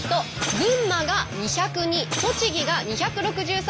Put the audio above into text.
群馬が２０２栃木が２６３。